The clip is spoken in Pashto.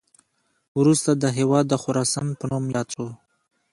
وروسته دا هیواد د خراسان په نوم یاد شو